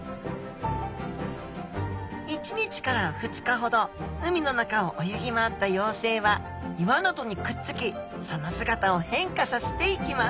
１日から２日ほど海の中を泳ぎ回った幼生は岩などにくっつきその姿を変化させていきます。